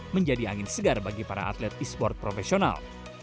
menjadi angin segar bagi para atlet esport profesional